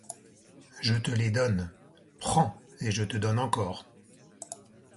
Je te les donne. Prends. Et je te donne encore